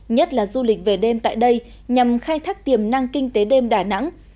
nhất là du lịch về đêm tại đây nhằm khai thác tiềm năng kinh tế đêm đà nẵng